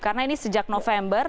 karena ini sejak november